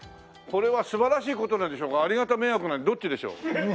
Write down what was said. これは素晴らしい事なんでしょうかありがた迷惑どっちでしょう？